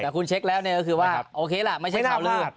แต่คุณเช็คแล้วเนี่ยก็คือว่าโอเคล่ะไม่ใช่ข่าวลื่น